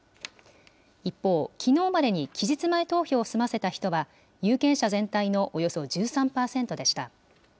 一方、きのうまでに期日前投票を済ませた人は、有権者全体のおよそ１３％でした。